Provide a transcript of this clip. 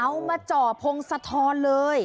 เอามาจ่อพงศธรเลย